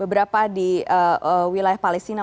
beberapa di wilayah palestina